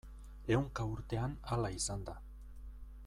Ehunka urtean hala izan da.